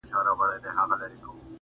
بيا به په هر سړي په زور خپله خبره مني